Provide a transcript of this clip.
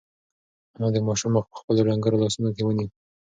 انا د ماشوم مخ په خپلو ډنگرو لاسونو کې ونیو.